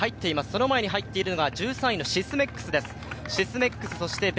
その前に入っているのが１３位のシスメックスです。